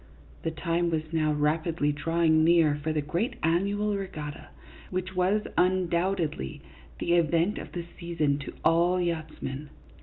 The time was now rapidly drawing near for the great annual regatta, which was, undoubtedly, the event of the season to all yachtsmen.